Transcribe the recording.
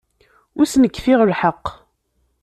Ur asen-kfiɣ lḥeqq.